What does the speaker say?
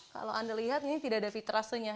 kalau anda lihat ini tidak ada fitrasenya